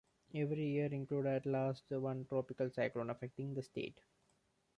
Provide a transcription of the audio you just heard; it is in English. Every year included at least one tropical cyclone affecting the state.